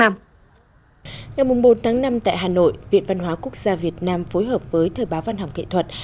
ngày bốn tháng năm tại hà nội viện văn hóa quốc gia việt nam phối hợp với thời báo văn học nghệ thuật